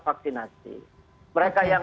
vaksinasi mereka yang